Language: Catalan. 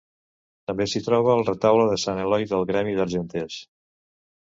També s'hi troba el retaule de sant Eloi del gremi d'argenters.